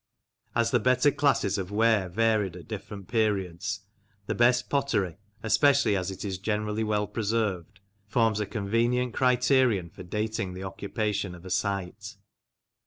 As the better classes of ware varied at different periods, the best pottery, especially as it is generally well preserved, forms a convenient criterion for dating the occupation of a site.